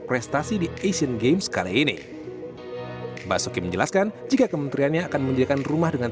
prestasi di asian games kali ini basuki menjelaskan jika kementeriannya akan menjadikan rumah dengan